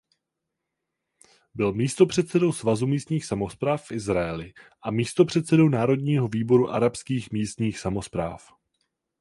Byl místopředsedou Svazu místních samospráv v Izraeli a místopředsedou Národního výboru arabských místních samospráv.